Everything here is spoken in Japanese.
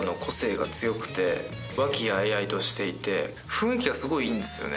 雰囲気がすごいいいんですよね